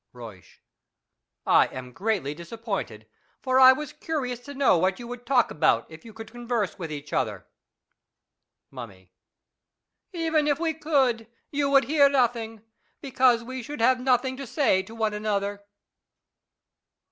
Euysch. I am greatly disappointed, for I was curious to know what you would talk about if you could con verse with each other. Mummy. Even if we could do so, you would hear nothing, because we should have nothing to say to one another.